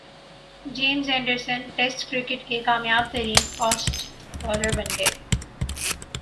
James Anderson test cricket کے کامیاب ترین فاسٹ بالر بن گئے